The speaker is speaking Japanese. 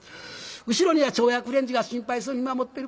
後ろには町役連中が心配そうに見守ってる。